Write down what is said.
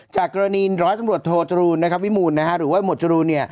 จากกรณีร้อยตำรวจโทจรูลวิมูลหรือว่าหมวดจรูน